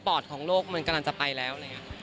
ปอดของโลกมันกำลังจะไปแล้ว